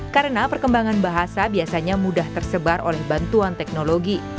karena perkembangan bahasa biasanya mudah tersebar oleh bantuan teknologi